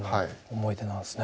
思い出なんですね。